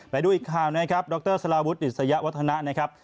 ไปดูอีกข่าวนะครับดรสลาวุฒิดิษยวัฒนะนะครับ